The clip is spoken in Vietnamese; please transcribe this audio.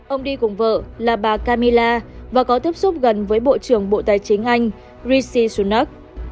ông đi cùng vợ là bà kamila và có tiếp xúc gần với bộ trưởng bộ tài chính anh rishi sunak